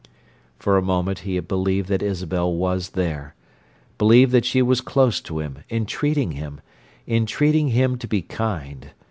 For a moment he had believed that Isabel was there, believed that she was close to him, entreating him—entreating him "to be kind."